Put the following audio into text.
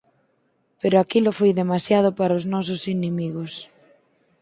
Pero aquilo foi demasiado para os nosos inimigos.